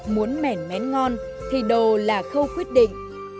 muốn mẻn mén ngon thì đồ là khâu quyết định